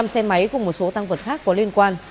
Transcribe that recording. hai mươi năm xe máy cùng một số tăng vật khác có liên quan